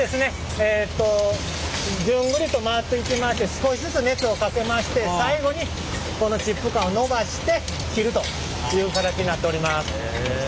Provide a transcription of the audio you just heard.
えっと順繰りと回っていきまして少しずつ熱をかけまして最後にこのチップ管を伸ばして切るという形になっております。